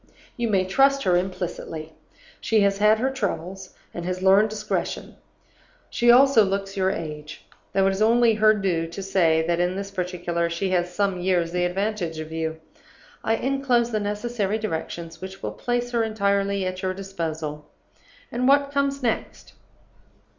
You may trust her implicitly. She has had her troubles, and has learned discretion. She also looks your age; though it is only her due to say that, in this particular, she has some years the advantage of you. I inclose the necessary directions which will place her entirely at your disposal. "And what comes next?